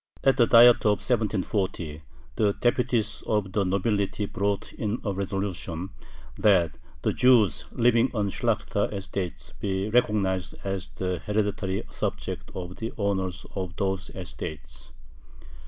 At the Diet of 1740 the deputies of the nobility brought in a resolution, that the Jews living on Shlakhta estates be recognized as the "hereditary subjects" of the owners of those estates.